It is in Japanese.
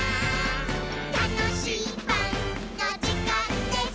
「たのしいパンのじかんです！」